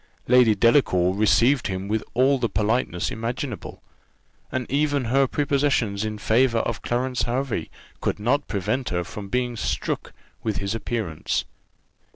Lady Delacour received him with all the politeness imaginable; and even her prepossessions in favour of Clarence Hervey could not prevent her from being struck with his appearance.